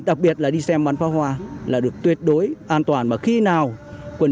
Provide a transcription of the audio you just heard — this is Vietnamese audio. đặc biệt là đi xem bắn phá hoa là được tuyệt đối an toàn mà khi nào quần